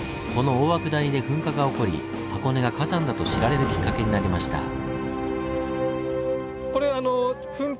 この大涌谷で噴火が起こり箱根が火山だと知られるきっかけになりました。